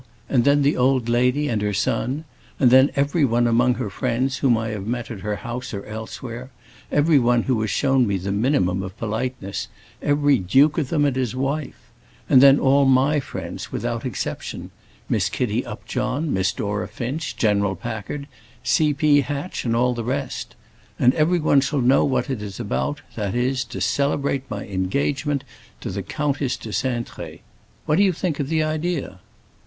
And then the old lady and her son. And then everyone among her friends whom I have met at her house or elsewhere, everyone who has shown me the minimum of politeness, every duke of them and his wife. And then all my friends, without exception: Miss Kitty Upjohn, Miss Dora Finch, General Packard, C. P Hatch, and all the rest. And everyone shall know what it is about, that is, to celebrate my engagement to the Countess de Cintré. What do you think of the idea?"